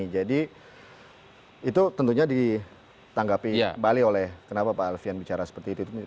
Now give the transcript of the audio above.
jadi itu tentunya ditanggapi balik oleh kenapa pak alfian bicara seperti itu